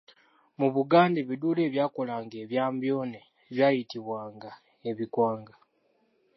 Mu Buganda ebiduula ebyakolanga ebyambyone byayitibwanga ebikwanga.